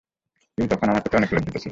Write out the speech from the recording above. তুমি তখন আমার প্রতি অনেক লজ্জিত ছিলে।